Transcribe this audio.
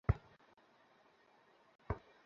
তবে এটা যদিও আমার দিদিমার নাম।